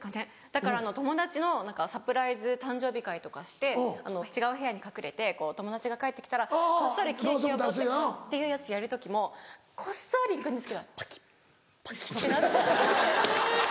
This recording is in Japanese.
だから友達のサプライズ誕生日会とかして違う部屋に隠れて友達が帰って来たらこっそりケーキを持ってくっていうやつやる時もこっそり行くんですけどパキっパキって鳴っちゃって。